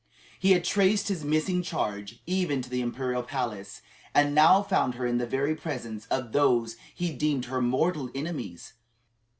He had traced his missing charge even to the imperial palace, and now found her in the very presence of those he deemed her mortal enemies.